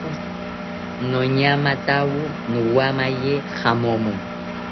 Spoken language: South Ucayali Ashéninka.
Noñamatawo nowamaye jamomo